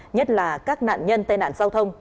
nhất là các nạn nhân tai nạn giao thông